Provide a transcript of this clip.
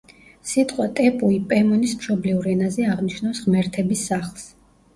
სიტყვა „ტეპუი“ პემონის მშობლიურ ენაზე აღნიშნავს „ღმერთების სახლს“.